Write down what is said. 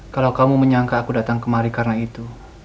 kalau kamu menyangka aku datang kemari karena itu